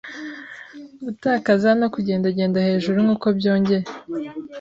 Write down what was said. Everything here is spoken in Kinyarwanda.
gutakaza, no kugendagenda hejuru nkuko byongeye